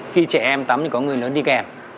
khi trẻ em tắm thì có người lớn đi kèm